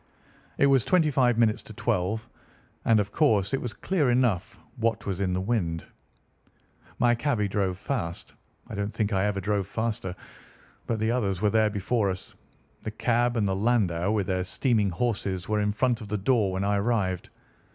It was twenty five minutes to twelve, and of course it was clear enough what was in the wind. "My cabby drove fast. I don't think I ever drove faster, but the others were there before us. The cab and the landau with their steaming horses were in front of the door when I arrived.